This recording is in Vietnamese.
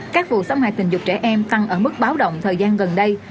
các vụ xâm hại tình dục trẻ em tăng ở mức báo động thời gian gần đây